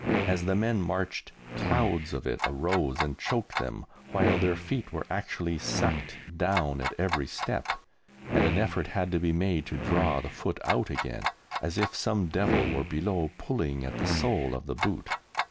As the men marched clouds of it arose and choked them, while their feet were actually sucked down at each step, and an effort had to be made to draw the foot out again, as if some devil were below, pulling at the sole of the boot.